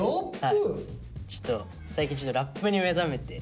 ちょっと最近ラップに目覚めて。